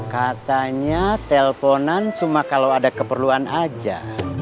katanya telponan cuma kalau ada keperluan aja